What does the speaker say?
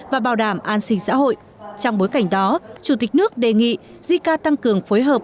và bảo đảm an sinh xã hội trong bối cảnh đó chủ tịch nước đề nghị jica tăng cường phối hợp